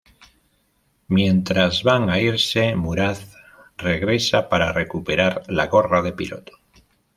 Mientras van a irse, Murad regresa para recuperar la gorra de piloto.